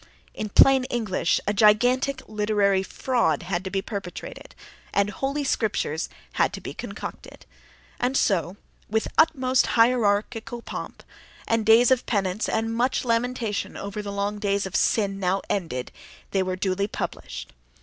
In plain English, a gigantic literary fraud had to be perpetrated, and "holy scriptures" had to be concocted—and so, with the utmost hierarchical pomp, and days of penance and much lamentation over the long days of "sin" now ended, they were duly published.